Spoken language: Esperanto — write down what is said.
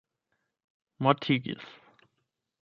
mortigis